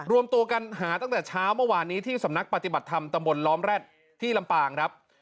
รวมตัวกันหาตั้งแต่เช้าเมื่อวานนี้ที่สำนักปฏิบัติธรรมตำบลล้อมแร็ดที่ลำปางครับ